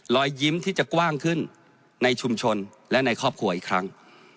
รอยยิ้มที่จะกว้างขึ้นในชุมชนและในครอบครัวอีกครั้ง